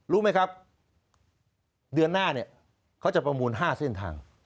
รู้ไหมครับเดือนหน้าเนี่ยเขาจะประมูล๕เส้นทาง